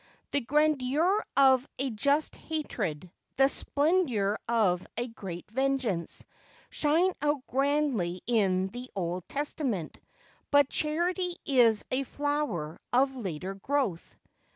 The grandeur of a just hatred, the splendour of a great vengeance, shine out grandly in the Old Testament ; but charity is a flower of later growth.'